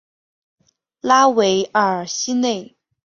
拉韦尔西内。